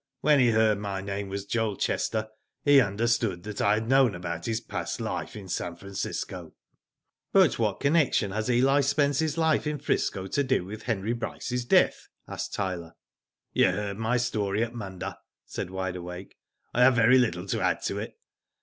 When he heard my name was Joel Chester he understood that I had known about his past life in San Francisco." " But what connection has EH Spence'js life in 'Frisco to do with Henry Bryce's death ?" asked Tyler. "You heard my story at Munda," said Wide Awake. I have very little to add to it.